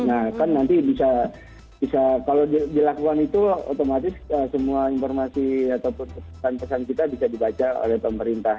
nah kan nanti bisa kalau dilakukan itu otomatis semua informasi ataupun pesan pesan kita bisa dibaca oleh pemerintah